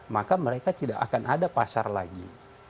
maka mereka tidak akan ada pasar lagi